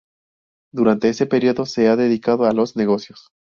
Durante ese período se ha dedicado a los negocios.